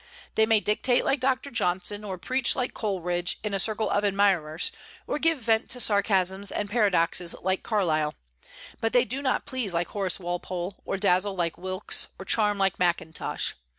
They may dictate like Dr. Johnson, or preach like Coleridge in a circle of admirers, or give vent to sarcasms and paradoxes like Carlyle; but they do not please like Horace Walpole, or dazzle like Wilkes, or charm like Mackintosh.